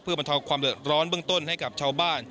เพื่อประทอบความเหลือร้อนเบื้องต้นให้กับชาวบ้าน